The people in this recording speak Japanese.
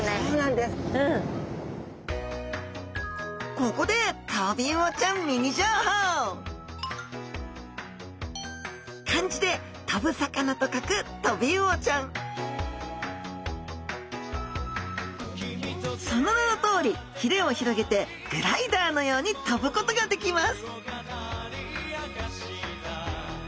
ここでその名のとおりひれを広げてグライダーのように飛ぶことができます